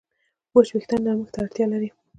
وچ وېښتيان نرمښت ته اړتیا لري.